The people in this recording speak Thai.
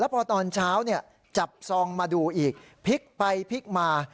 แล้วพอตอนเช้าเนี่ยจับซองมาดูอีกพลิกไปพลิกมา